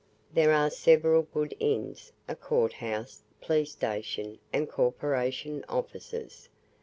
There are several good inns, a court house, police station, and corporation offices.